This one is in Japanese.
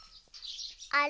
あれ？